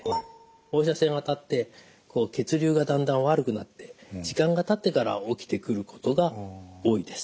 放射線当たって血流がだんだん悪くなって時間がたってから起きてくることが多いです。